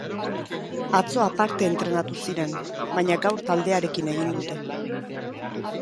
Atzo aparte entrenatu ziren, baina gaur taldearekin egin dute.